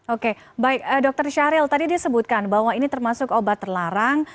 oke baik dokter syahril tadi disebutkan bahwa ini termasuk obat terlarang